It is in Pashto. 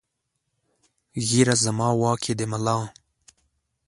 ږېره زما واک ېې د ملا